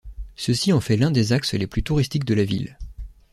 Ceci en fait l’un des axes les plus touristiques de la ville.